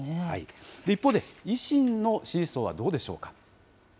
一方で維新の支持層はどうでしょうか。